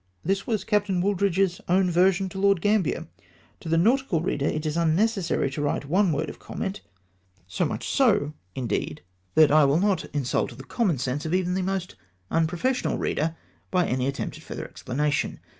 This was Captam Wooldridge's own version to Lord Gambler. To the nautical reader it is unnecessary to wiite one word of comment ; so much so, indeed, that DESTRUCTION OF THE BOOM. 401 I will not insult the common sense even of the unpro fessiond reader by any attempt at further explanation.